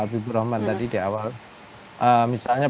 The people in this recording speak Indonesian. habibur rahman tadi di awal misalnya